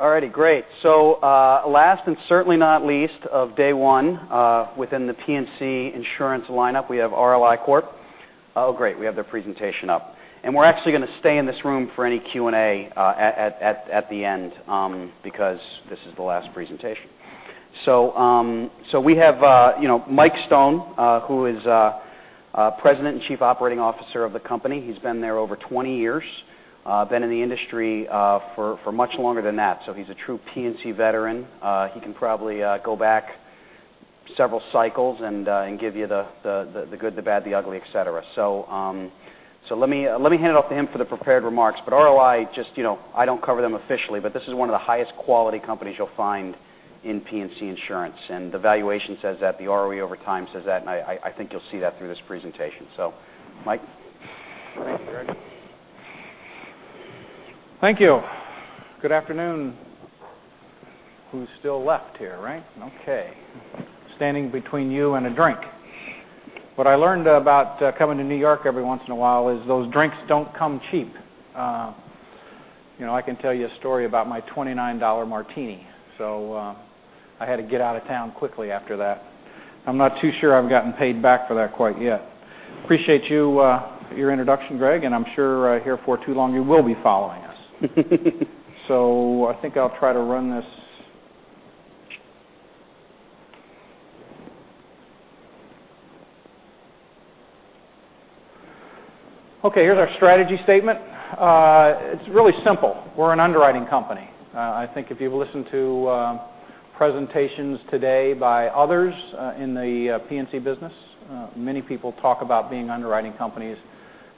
All right, great. Last, and certainly not least, of day one within the P&C insurance lineup, we have RLI Corp. Great, we have their presentation up. We're actually going to stay in this room for any Q&A at the end because this is the last presentation. We have Mike Stone, who is President and Chief Operating Officer of the company. He's been there over 20 years, been in the industry for much longer than that, so he's a true P&C veteran. He can probably go back several cycles and give you the good, the bad, the ugly, et cetera. Let me hand it off to him for the prepared remarks. RLI, I don't cover them officially, but this is one of the highest quality companies you'll find in P&C insurance. The valuation says that, the ROE over time says that, and I think you'll see that through this presentation. Mike. Thank you, Greg. Thank you. Good afternoon, who's still left here, right? Okay. Standing between you and a drink. What I learned about coming to New York every once in a while is those drinks don't come cheap. I can tell you a story about my $29 martini. I had to get out of town quickly after that. I'm not too sure I've gotten paid back for that quite yet. Appreciate your introduction, Greg, and I'm sure here before too long you will be following us. I think I'll try to run this. Okay, here's our strategy statement. It's really simple. We're an underwriting company. I think if you've listened to presentations today by others in the P&C business, many people talk about being underwriting companies,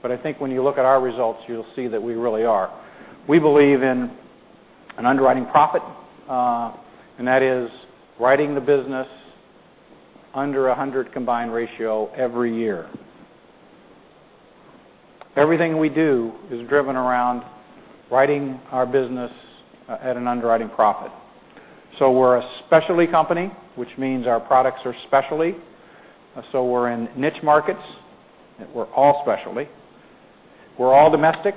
but I think when you look at our results, you'll see that we really are. We believe in an underwriting profit, and that is writing the business under 100 combined ratio every year. Everything we do is driven around writing our business at an underwriting profit. We're a specialty company, which means our products are specialty. We're in niche markets. We're all specialty. We're all domestic,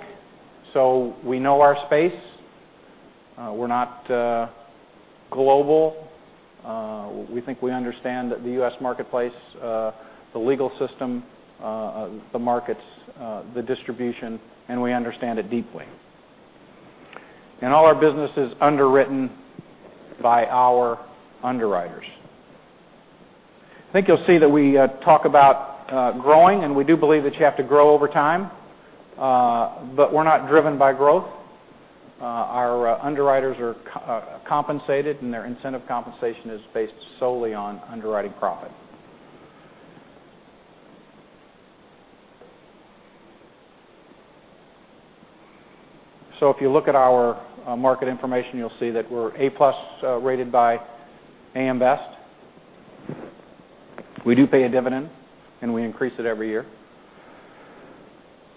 so we know our space. We're not global. We think we understand the U.S. marketplace, the legal system, the markets, the distribution, and we understand it deeply. All our business is underwritten by our underwriters. I think you'll see that we talk about growing, and we do believe that you have to grow over time, but we're not driven by growth. Our underwriters are compensated, their incentive compensation is based solely on underwriting profit. If you look at our market information, you'll see that we're A+ rated by AM Best. We do pay a dividend. We increase it every year.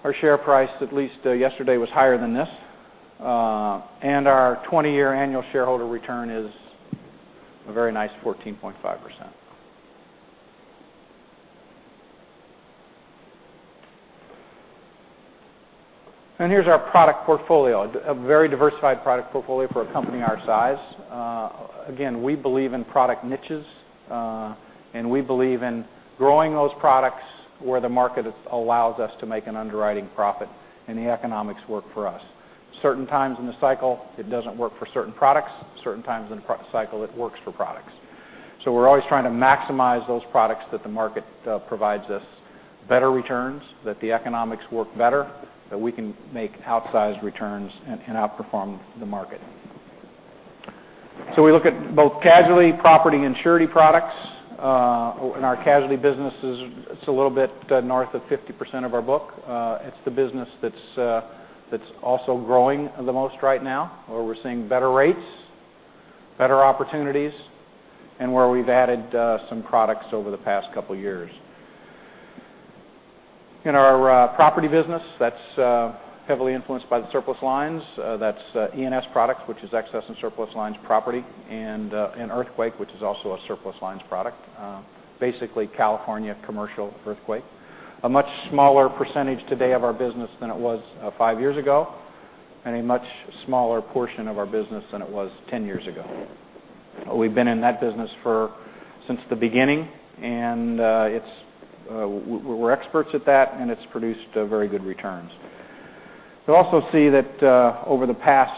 Our share price, at least yesterday, was higher than this. Our 20-year annual shareholder return is a very nice 14.5%. Here's our product portfolio, a very diversified product portfolio for a company our size. Again, we believe in product niches, and we believe in growing those products where the market allows us to make an underwriting profit and the economics work for us. Certain times in the cycle, it doesn't work for certain products. Certain times in the cycle, it works for products. We're always trying to maximize those products that the market provides us better returns, that the economics work better, that we can make outsized returns, and outperform the market. We look at both casualty property and surety products. In our casualty businesses, it's a little bit north of 50% of our book. It's the business that's also growing the most right now, where we're seeing better rates, better opportunities, and where we've added some products over the past couple of years. In our property business, that's heavily influenced by the surplus lines. That's ENS products, which is excess and surplus lines property, and earthquake, which is also a surplus lines product. Basically, California commercial earthquake. A much smaller percentage today of our business than it was five years ago, and a much smaller portion of our business than it was 10 years ago. We've been in that business since the beginning, and we're experts at that, and it's produced very good returns. You'll also see that over the past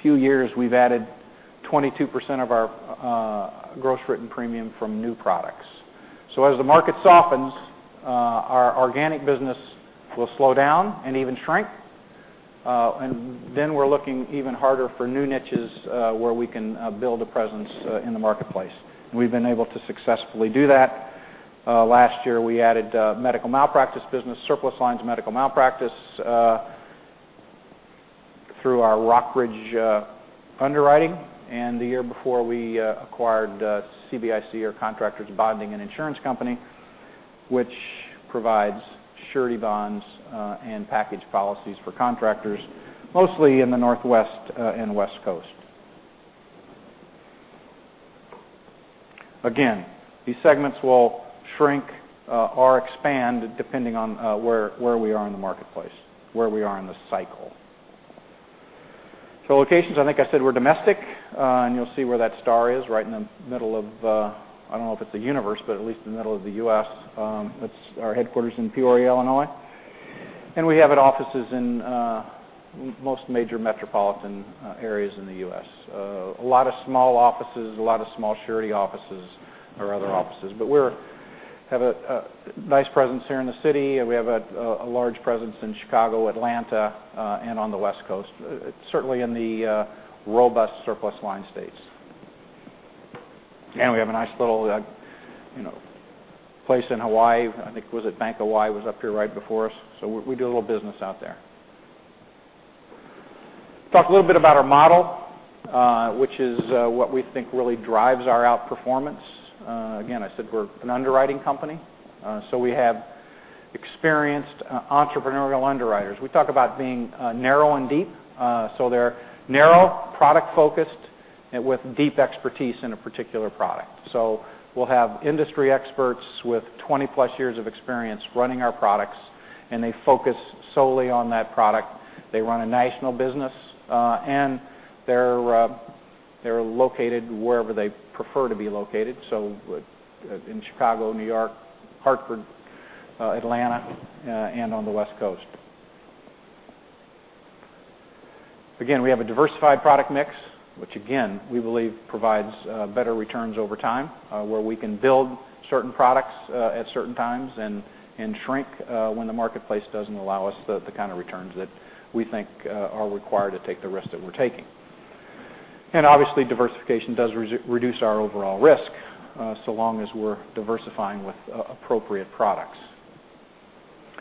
few years, we've added 22% of our gross written premium from new products. As the market softens, our organic business will slow down and even shrink, and then we're looking even harder for new niches where we can build a presence in the marketplace. We've been able to successfully do that. Last year, we added medical malpractice business, surplus lines medical malpractice, through our Rockridge underwriting. The year before, we acquired CBIC, or Contractors Bonding and Insurance Company, which provides surety bonds and package policies for contractors, mostly in the Northwest and West Coast. Again, these segments will shrink or expand depending on where we are in the marketplace, where we are in the cycle. Locations, I think I said we're domestic, and you'll see where that star is right in the middle of, I don't know if it's the universe, but at least in the middle of the U.S. That's our headquarters in Peoria, Illinois. We have offices in most major metropolitan areas in the U.S. A lot of small offices, a lot of small surety offices or other offices. We have a nice presence here in the city, and we have a large presence in Chicago, Atlanta, and on the West Coast, certainly in the robust surplus line states. We have a nice little place in Hawaii. I think, was it Bank of Hawaii was up here right before us, so we do a little business out there. Talk a little bit about our model, which is what we think really drives our outperformance. Again, I said we're an underwriting company. We have experienced entrepreneurial underwriters. We talk about being narrow and deep. They're narrow, product-focused, and with deep expertise in a particular product. We'll have industry experts with 20-plus years of experience running our products, and they focus solely on that product. They run a national business, and they're located wherever they prefer to be located, so in Chicago, New York, Hartford, Atlanta, and on the West Coast. We have a diversified product mix, which again, we believe provides better returns over time, where we can build certain products at certain times and shrink when the marketplace doesn't allow us the kind of returns that we think are required to take the risk that we're taking. Obviously, diversification does reduce our overall risk, so long as we're diversifying with appropriate products.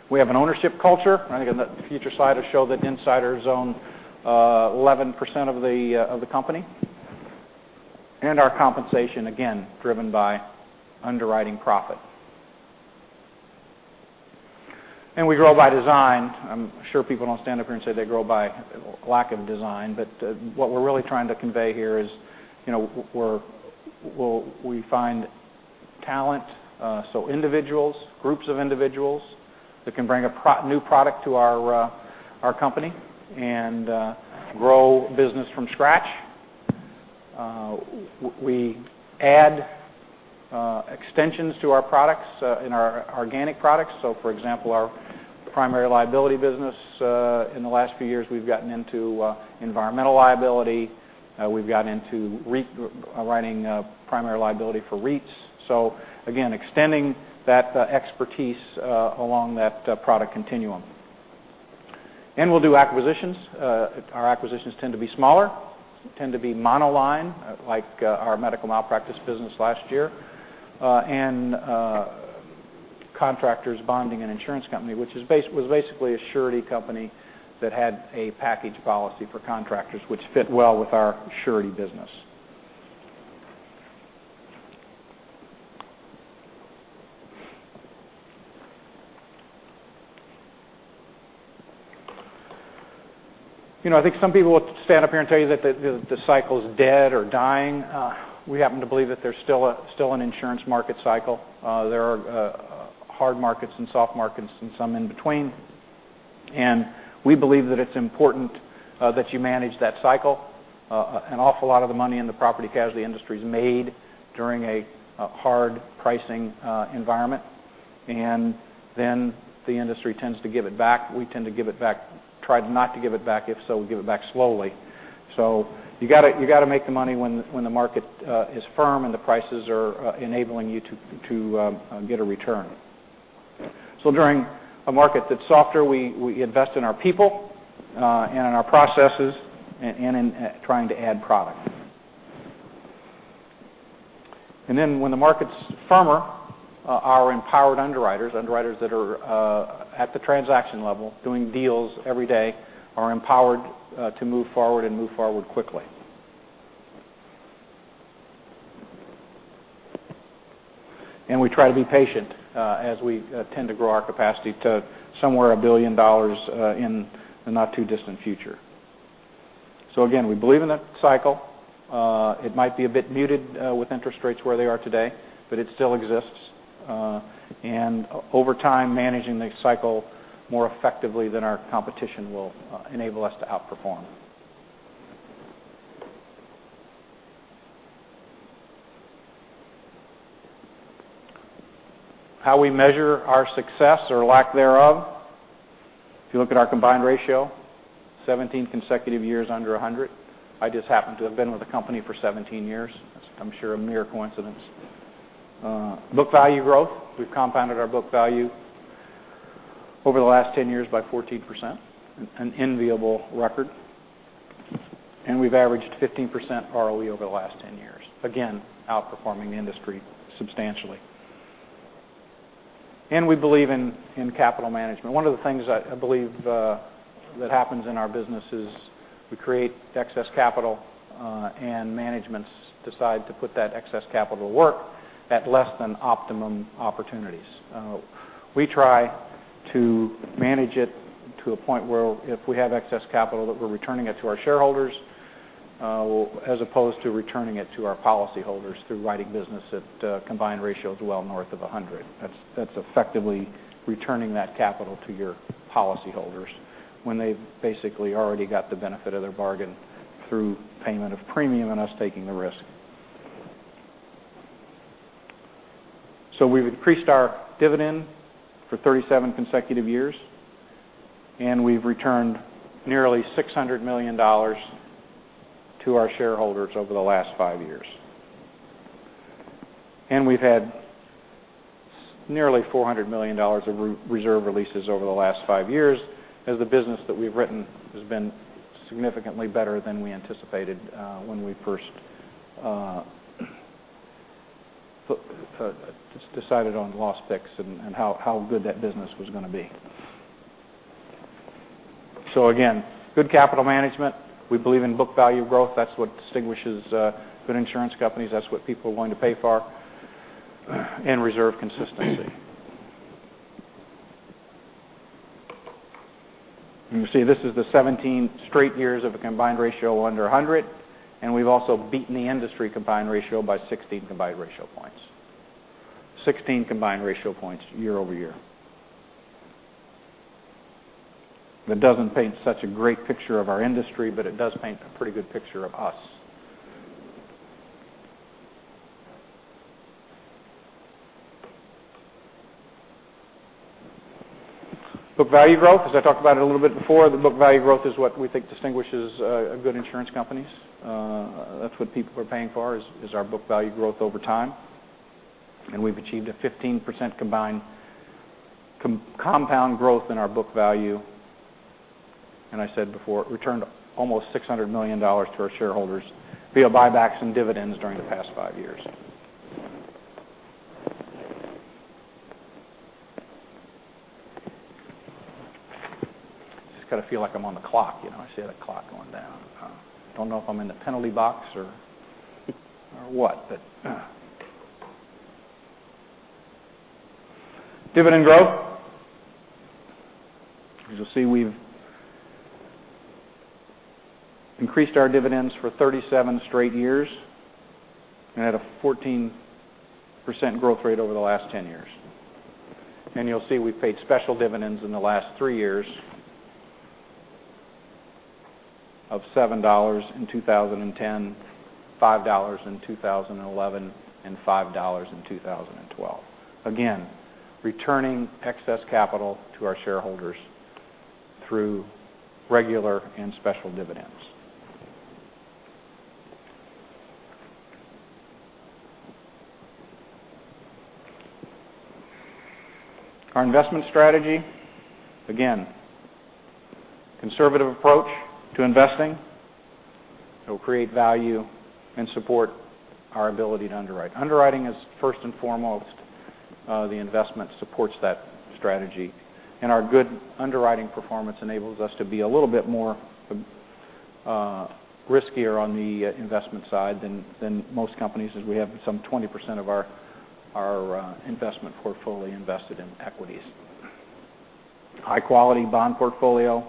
We have an ownership culture. I think in that future slide will show that insiders own 11% of the company. Our compensation, again, driven by underwriting profit. We grow by design. I'm sure people don't stand up here and say they grow by lack of design, but what we're really trying to convey here is we find talent, so individuals, groups of individuals, that can bring a new product to our company and grow business from scratch. We add extensions to our products in our organic products. For example, our primary liability business, in the last few years, we've gotten into environmental liability. We've got into writing primary liability for REITs. Again, extending that expertise along that product continuum. We'll do acquisitions. Our acquisitions tend to be smaller, tend to be monoline, like our medical malpractice business last year, and Contractors Bonding and Insurance Company, which was basically a surety company that had a package policy for contractors, which fit well with our surety business. I think some people will stand up here and tell you that the cycle's dead or dying. We happen to believe that there's still an insurance market cycle. There are hard markets and soft markets and some in between. We believe that it's important that you manage that cycle. An awful lot of the money in the property casualty industry is made during a hard pricing environment, and then the industry tends to give it back. We tend to give it back, try not to give it back. If so, we give it back slowly. You gotta make the money when the market is firm and the prices are enabling you to get a return. During a market that's softer, we invest in our people and in our processes and in trying to add product. When the market's firmer, our empowered underwriters that are at the transaction level doing deals every day, are empowered to move forward and move forward quickly. We try to be patient as we tend to grow our capacity to somewhere $1 billion in the not-too-distant future. Again, we believe in the cycle. It might be a bit muted with interest rates where they are today, but it still exists. Over time, managing the cycle more effectively than our competition will enable us to outperform. How we measure our success or lack thereof. If you look at our combined ratio, 17 consecutive years under 100. I just happen to have been with the company for 17 years. That's, I'm sure, a mere coincidence. Book value growth. We've compounded our book value over the last 10 years by 14%, an enviable record. We've averaged 15% ROE over the last 10 years, again, outperforming the industry substantially. We believe in capital management. One of the things I believe that happens in our business is we create excess capital, and managements decide to put that excess capital to work at less than optimum opportunities. We try to manage it to a point where if we have excess capital, that we're returning it to our shareholders, as opposed to returning it to our policyholders through writing business at combined ratios well north of 100. That's effectively returning that capital to your policyholders when they've basically already got the benefit of their bargain through payment of premium and us taking the risk. We've increased our dividend for 37 consecutive years, and we've returned nearly $600 million to our shareholders over the last five years. We've had nearly $400 million of reserve releases over the last five years as the business that we've written has been significantly better than we anticipated when we first decided on loss picks and how good that business was going to be. Again, good capital management. We believe in book value growth. That's what distinguishes good insurance companies. That's what people are willing to pay for, and reserve consistency. You can see this is the 17 straight years of a combined ratio under 100, and we've also beaten the industry combined ratio by 16 combined ratio points. 16 combined ratio points year-over-year. That doesn't paint such a great picture of our industry, but it does paint a pretty good picture of us. Book value growth, as I talked about it a little bit before, the book value growth is what we think distinguishes good insurance companies. That's what people are paying for, is our book value growth over time, and we've achieved a 14% combined compound growth in our book value and I said before, it returned almost $600 million to our shareholders via buybacks and dividends during the past five years. Just kind of feel like I'm on the clock. I see that clock going down. Don't know if I'm in the penalty box or what. Dividend growth. As you'll see, we've increased our dividends for 37 straight years and had a 14% growth rate over the last 10 years. You'll see we've paid special dividends in the last three years of $7 in 2010, $5 in 2011, and $5 in 2012. Again, returning excess capital to our shareholders through regular and special dividends. Our investment strategy, again, conservative approach to investing that will create value and support our ability to underwrite. Underwriting is first and foremost. The investment supports that strategy, and our good underwriting performance enables us to be a little bit riskier on the investment side than most companies, as we have some 20% of our investment portfolio invested in equities. High-quality bond portfolio,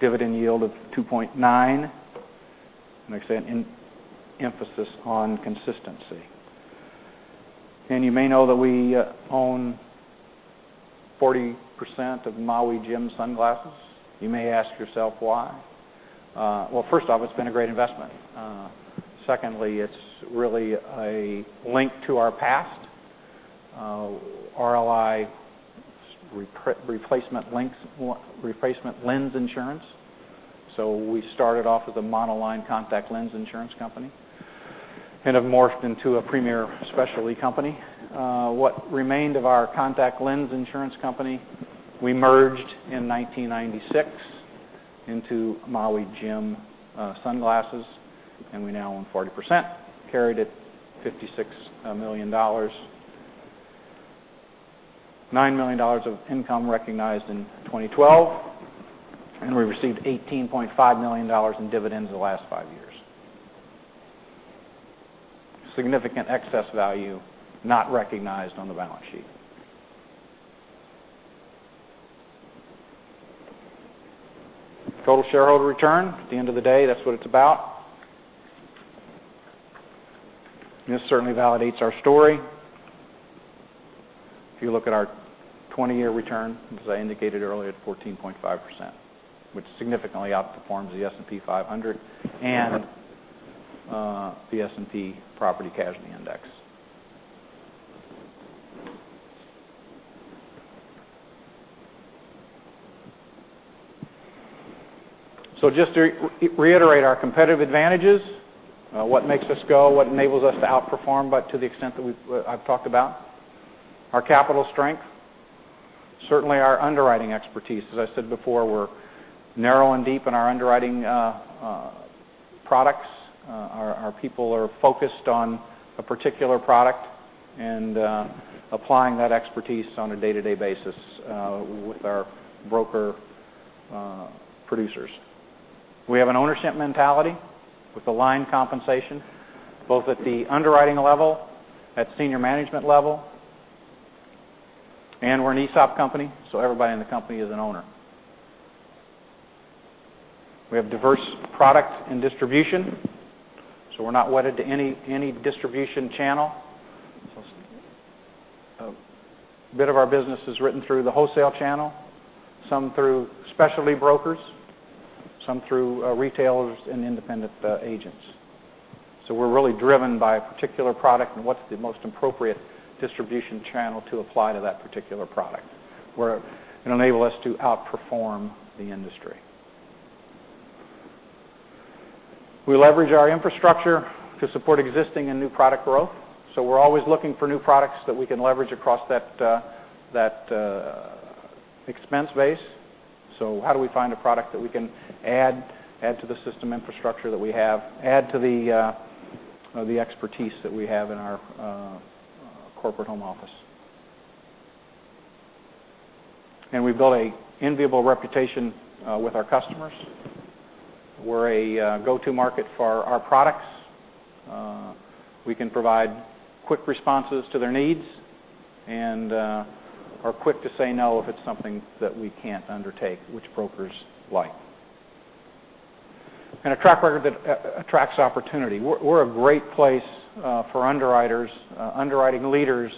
dividend yield of 2.9, and like I said, an emphasis on consistency. You may know that we own 40% of Maui Jim Sunglasses. You may ask yourself why. Well, first off, it's been a great investment. Secondly, it's really a link to our past, RLI's replacement lens insurance. We started off as a monoline contact lens insurance company and have morphed into a premier specialty company. What remained of our contact lens insurance company, we merged in 1996 into Maui Jim Sunglasses, and we now own 40%, carried at $56 million. $9 million of income recognized in 2012, and we received $18.5 million in dividends the last five years. Significant excess value not recognized on the balance sheet. Total shareholder return. At the end of the day, that's what it's about. This certainly validates our story. If you look at our 20-year return, as I indicated earlier, at 14.5%, which significantly outperforms the S&P 500 and the S&P Property Casualty Index. Just to reiterate our competitive advantages, what makes us go, what enables us to outperform, but to the extent that I've talked about, our capital strength, certainly our underwriting expertise. As I said before, we're narrow and deep in our underwriting products. Our people are focused on a particular product and applying that expertise on a day-to-day basis with our broker producers. We have an ownership mentality with aligned compensation, both at the underwriting level, at senior management level, and we're an ESOP company, so everybody in the company is an owner. We have diverse product and distribution, so we're not wedded to any distribution channel. A bit of our business is written through the wholesale channel, some through specialty brokers, some through retailers and independent agents. We're really driven by a particular product and what's the most appropriate distribution channel to apply to that particular product, where it'll enable us to outperform the industry. We leverage our infrastructure to support existing and new product growth, so we're always looking for new products that we can leverage across that expense base. How do we find a product that we can add to the system infrastructure that we have, add to the expertise that we have in our corporate home office? We've built an enviable reputation with our customers. We're a go-to market for our products. We can provide quick responses to their needs and are quick to say no if it's something that we can't undertake, which brokers like. A track record that attracts opportunity. We're a great place for underwriters, underwriting leaders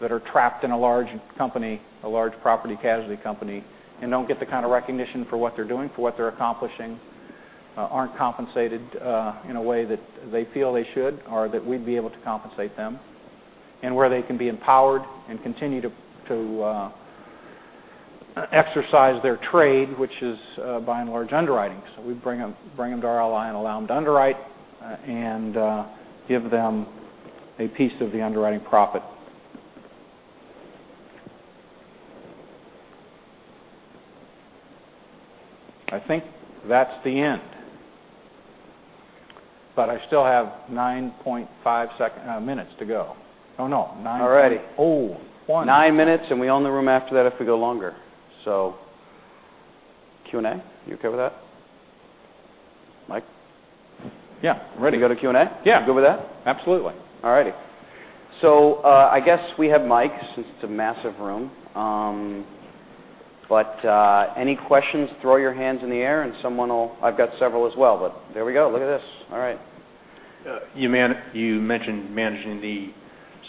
that are trapped in a large company, a large property casualty company, and don't get the kind of recognition for what they're doing, for what they're accomplishing, aren't compensated in a way that they feel they should, or that we'd be able to compensate them, and where they can be empowered and continue to exercise their trade, which is by and large underwriting. We bring them to RLI and allow them to underwrite and give them a piece of the underwriting profit. I think that's the end. I still have 9.5 minutes to go. Oh, no. 9.01. All right. Nine minutes, we own the room after that if we go longer. Q&A, you okay with that? Mike? Yeah, I'm ready. You go to Q&A? Yeah. You good with that? Absolutely. All right. I guess we have mics since it's a massive room. Any questions, throw your hands in the air. I've got several as well, but there we go. Look at this. All right. You mentioned managing the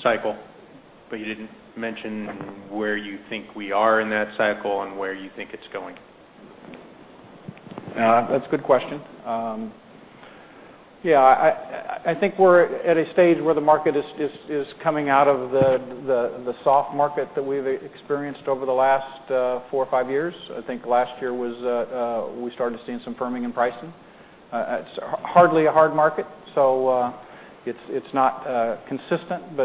cycle, you didn't mention where you think we are in that cycle and where you think it's going. That's a good question. Yeah, I think we're at a stage where the market is coming out of the soft market that we've experienced over the last four or five years. I think last year we started seeing some firming in pricing. It's hardly a hard market, so it's not consistent.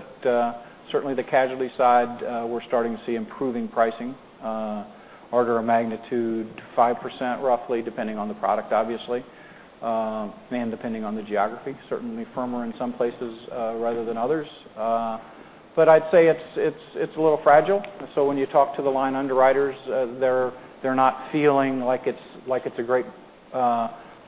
Certainly the casualty side, we're starting to see improving pricing, order of magnitude 5% roughly, depending on the product, obviously, and depending on the geography, certainly firmer in some places rather than others. I'd say it's a little fragile, and so when you talk to the line underwriters, they're not feeling like it's a great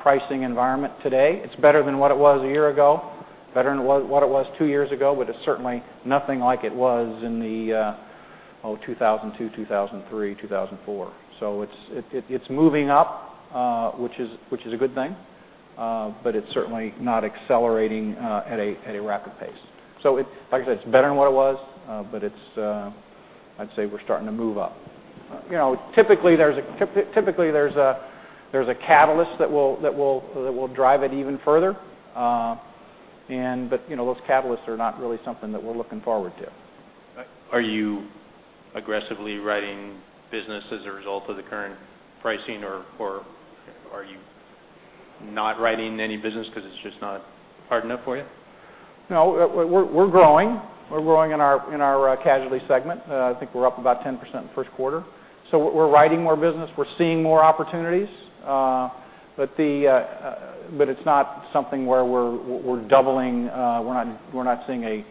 pricing environment today. It's better than what it was a year ago, better than what it was two years ago, but it's certainly nothing like it was in 2002, 2003, 2004. It's moving up, which is a good thing. It's certainly not accelerating at a rapid pace. Like I said, it's better than what it was, but I'd say we're starting to move up. Typically, there's a catalyst that will drive it even further. Those catalysts are not really something that we're looking forward to. Are you aggressively writing business as a result of the current pricing, or are you not writing any business because it's just not hard enough for you? No, we're growing. We're growing in our casualty segment. I think we're up about 10% in the first quarter. We're writing more business. We're seeing more opportunities. It's not something where we're doubling. We're not seeing a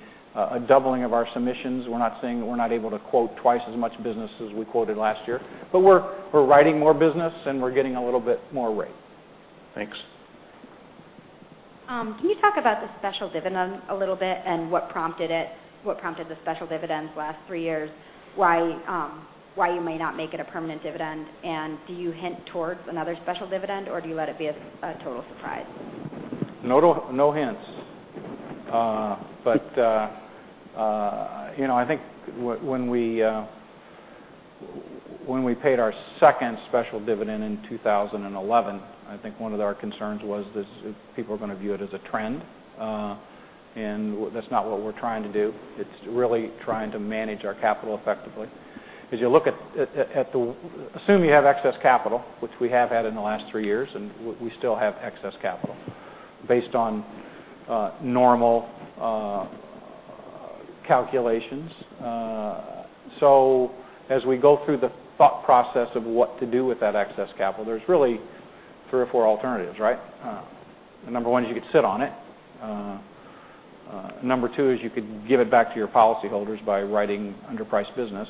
doubling of our submissions. We're not seeing that we're not able to quote twice as much business as we quoted last year. We're writing more business, and we're getting a little bit more rate. Thanks. Can you talk about the special dividend a little bit and what prompted it, what prompted the special dividends the last three years, why you may not make it a permanent dividend, and do you hint towards another special dividend, or do you let it be a total surprise? No hints. I think when we paid our second special dividend in 2011, I think one of our concerns was people are going to view it as a trend, and that's not what we're trying to do. It's really trying to manage our capital effectively. Assume you have excess capital, which we have had in the last three years, and we still have excess capital based on normal calculations. As we go through the thought process of what to do with that excess capital, there's really three or four alternatives, right? Number one is you could sit on it. Number two is you could give it back to your policyholders by writing underpriced business.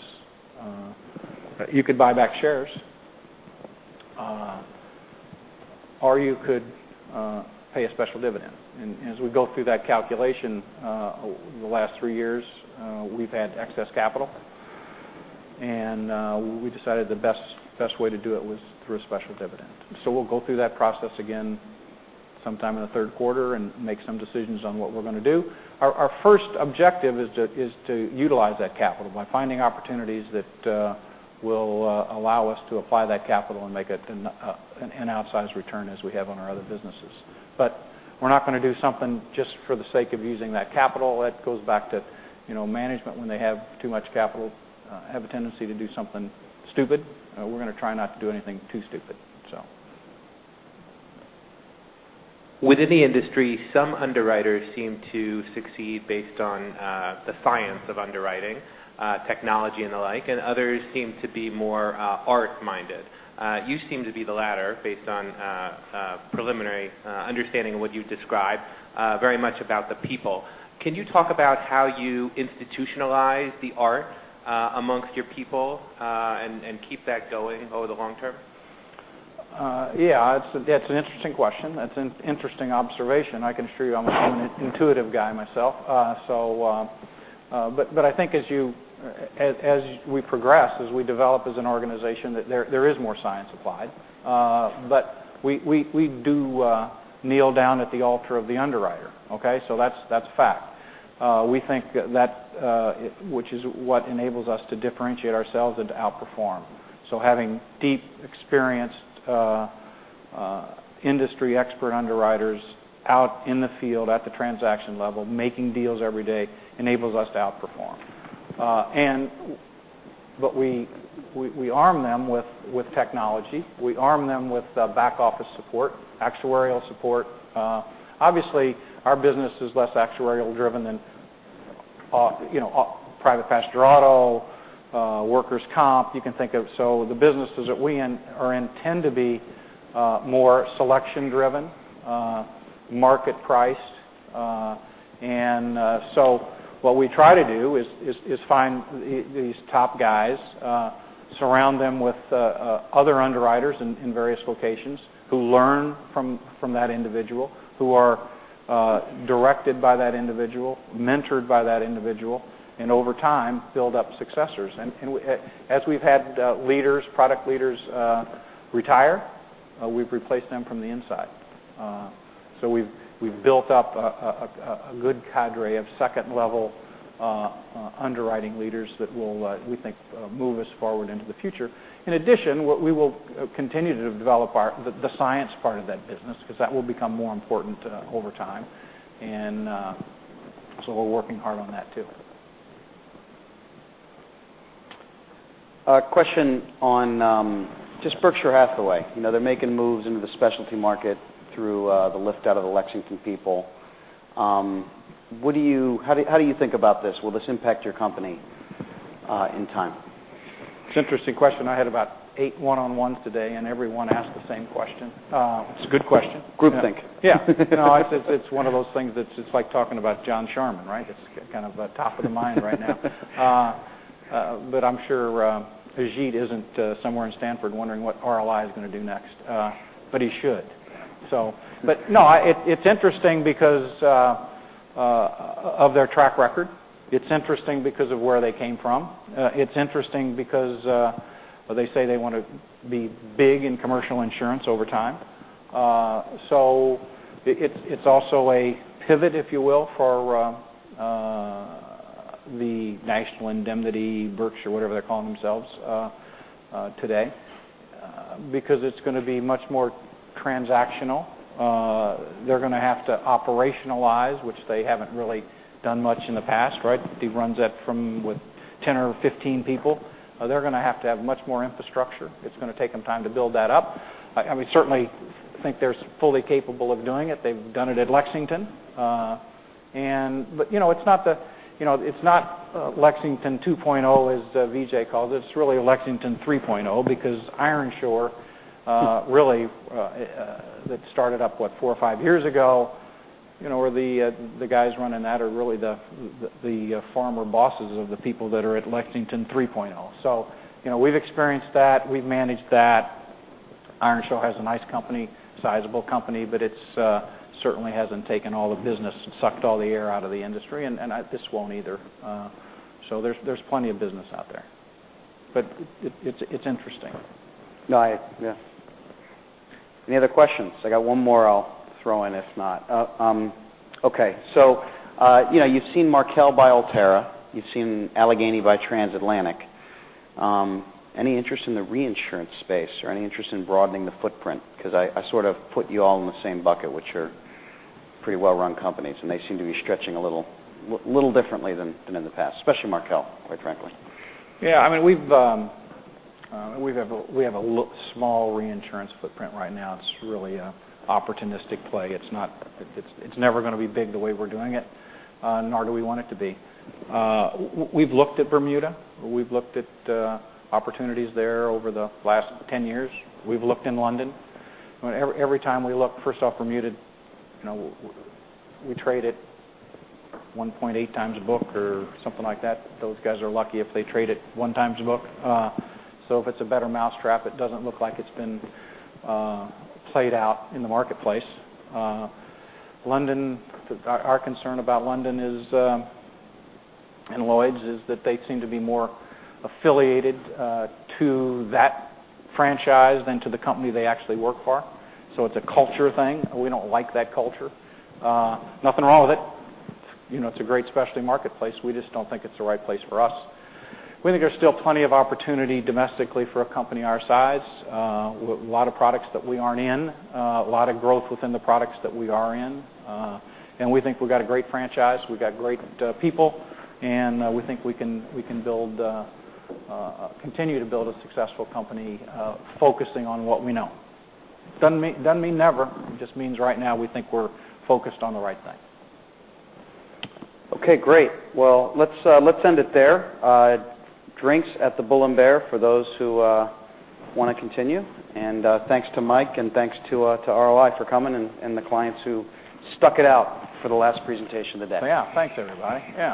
You could buy back shares. You could pay a special dividend. As we go through that calculation, the last three years, we've had excess capital, and we decided the best way to do it was through a special dividend. We'll go through that process again sometime in the third quarter and make some decisions on what we're going to do. Our first objective is to utilize that capital by finding opportunities that will allow us to apply that capital and make an outsized return as we have on our other businesses. We're not going to do something just for the sake of using that capital. That goes back to management, when they have too much capital, have a tendency to do something stupid. We're going to try not to do anything too stupid. Within the industry, some underwriters seem to succeed based on the science of underwriting, technology, and the like, and others seem to be more art-minded. You seem to be the latter, based on preliminary understanding of what you described very much about the people. Can you talk about how you institutionalize the art amongst your people and keep that going over the long term? That's an interesting question. That's an interesting observation. I can assure you I'm an intuitive guy myself. I think as we progress, as we develop as an organization, that there is more science applied. We do kneel down at the altar of the underwriter, okay? That's a fact. We think that which is what enables us to differentiate ourselves and to outperform. Having deep, experienced industry expert underwriters out in the field at the transaction level, making deals every day, enables us to outperform. We arm them with technology. We arm them with back office support, actuarial support. Obviously, our business is less actuarial driven than private passenger auto, workers' compensation, you can think of. The businesses that we are in tend to be more selection driven, market priced. What we try to do is find these top guys, surround them with other underwriters in various locations who learn from that individual, who are directed by that individual, mentored by that individual, and over time, build up successors. As we've had leaders, product leaders retire, we've replaced them from the inside. We've built up a good cadre of second-level underwriting leaders that will, we think, move us forward into the future. In addition, we will continue to develop the science part of that business because that will become more important over time. We're working hard on that, too. A question on just Berkshire Hathaway. They're making moves into the specialty market through the lift out of the Lexington people. How do you think about this? Will this impact your company in time? It's an interesting question. I had about eight one-on-ones today. Every one asked the same question. It's a good question. Group think. Yeah. It's one of those things that's just like talking about John Charman, right? It's kind of top of the mind right now. I'm sure Ajit isn't somewhere in Stamford wondering what RLI is going to do next, but he should. No, it's interesting because of their track record. It's interesting because of where they came from. It's interesting because they say they want to be big in commercial insurance over time. It's also a pivot, if you will, for the National Indemnity, Berkshire, whatever they're calling themselves today because it's going to be much more transactional. They're going to have to operationalize, which they haven't really done much in the past, right? He runs that from, what, 10 or 15 people. They're going to have to have much more infrastructure. It's going to take them time to build that up. We certainly think they're fully capable of doing it. They've done it at Lexington. It's not Lexington 2.0, as Vijay calls it. It's really Lexington 3.0 because Ironshore really that started up, what, 4 or 5 years ago, where the guys running that are really the former bosses of the people that are at Lexington 3.0. We've experienced that. We've managed that. Ironshore has a nice company, sizable company, but it certainly hasn't taken all the business and sucked all the air out of the industry, and this won't either. There's plenty of business out there. It's interesting. No, yeah. Any other questions? I got one more I'll throw in, if not. Okay. You've seen Markel buy Alterra. You've seen Alleghany buy Transatlantic. Any interest in the reinsurance space, or any interest in broadening the footprint? Because I sort of put you all in the same bucket, which are pretty well-run companies, and they seem to be stretching a little differently than in the past, especially Markel, quite frankly. Yeah. We have a small reinsurance footprint right now. It's really an opportunistic play. It's never going to be big the way we're doing it, nor do we want it to be. We've looked at Bermuda. We've looked at opportunities there over the last 10 years. We've looked in London. Every time we look, first off, Bermuda, we trade at 1.8 times book or something like that. Those guys are lucky if they trade at one times book. If it's a better mousetrap, it doesn't look like it's been played out in the marketplace. Our concern about London and Lloyd's is that they seem to be more affiliated to that franchise than to the company they actually work for. It's a culture thing. We don't like that culture. Nothing wrong with it. It's a great specialty marketplace. We just don't think it's the right place for us. We think there's still plenty of opportunity domestically for a company our size, a lot of products that we aren't in, a lot of growth within the products that we are in. We think we've got a great franchise. We've got great people, and we think we can continue to build a successful company focusing on what we know. Doesn't mean never. It just means right now we think we're focused on the right thing. Okay, great. Well, let's end it there. Drinks at the Bull & Bear for those who want to continue. Thanks to Mike, and thanks to RLI for coming and the clients who stuck it out for the last presentation of the day. Yeah. Thanks, everybody. Yeah